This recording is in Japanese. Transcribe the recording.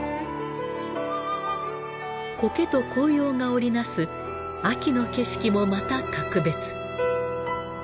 苔と紅葉が織りなす秋の景色もまた格別。